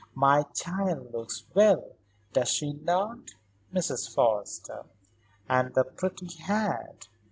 "My child looks well, does she not, Mrs. Forrester? And the pretty hat!